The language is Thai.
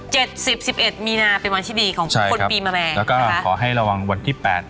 สิบสิบเอ็ดมีนาเป็นวันที่ดีของคนปีแมลงแล้วก็ขอให้ระวังวันที่แปด